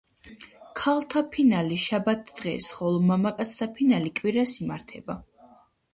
ქალთა ფინალი შაბათ დღეს, ხოლო მამაკაცთა ფინალი კვირას იმართება.